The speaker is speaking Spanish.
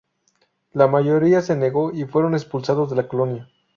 La mayoría se negó, y fueron expulsados de la colonia.